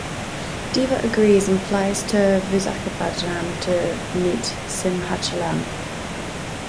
Deva agrees and flies to Visakhapatnam to meet Simhachalam.